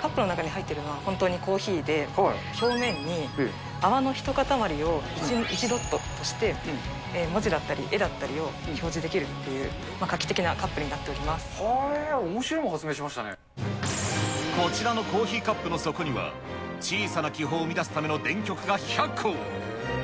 カップの中に入ってるのは、本当にコーヒーで、表面に泡の一固まりを１ドットとして、文字だったり絵だったりを表示できるっていう、画期的なカップにおもしろいもの発明しましたこちらのコーヒーカップの底には、小さな気泡を生み出すための電極が１００個。